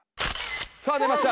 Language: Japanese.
さあ出ました。